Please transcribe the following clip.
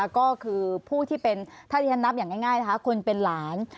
ก็คือผู้ที่เป็นถ้าที่ฉันนับอย่างง่ายนะคะคนเป็นหลาน